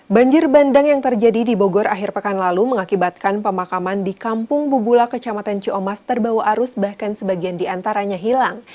banjir bandang yang terjadi di bogor akhir pekan lalu mengakibatkan pemakaman di kampung bubula kecamatan ciomas terbawa arus bahkan sebagian diantaranya hilang